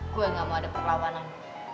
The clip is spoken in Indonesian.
gue gak mau ada perlawanan